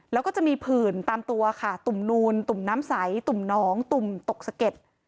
แล้วก็จะมีผื่นตามตัวค่ะตุ่มนูนตุ่มน้ำใสตุ่มน้องตุ่มตกสะเก็ด